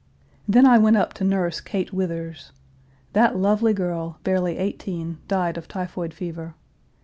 Then I went up to nurse Kate Withers. That lovely girl, barely eighteen, died of typhoid fever.